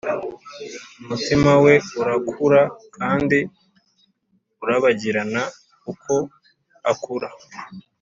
umutima we urakura kandi urabagirana uko akura